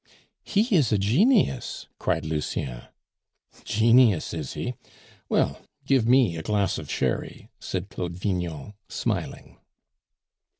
"He is a genius!" cried Lucien. "Genius, is he! Well, give me a glass of sherry!" said Claude Vignon, smiling.